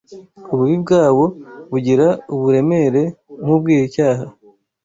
ububi bwawo bugira uburemere nk’ubw’icyaha